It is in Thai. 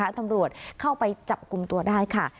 ตำรวจเข้าไปจับกลุ่มตัวได้ค่ะ